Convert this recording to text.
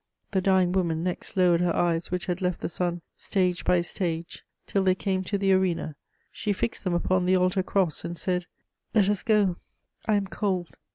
The dying woman next lowered her eyes, which had left the sun, stage by stage, till they came to the arena; she fixed them upon the altar cross, and said: "Let us go; I am cold."